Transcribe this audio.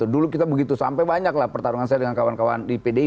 dulu kita begitu sampai banyaklah pertarungan saya dengan kawan kawan di pdi